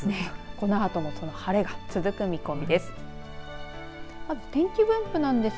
このあとも晴れが続く見込みです。